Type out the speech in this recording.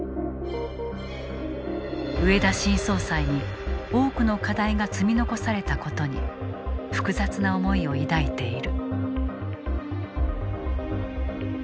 植田新総裁に多くの課題が積み残されたことに複雑な思いを抱いている。